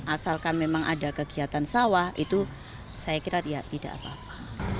asalkan memang ada kegiatan sawah itu saya kira tidak apa apa